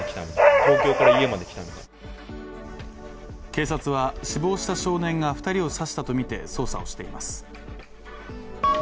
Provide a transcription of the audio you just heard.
警察は死亡した少年が２人を刺したとみて捜査をしています。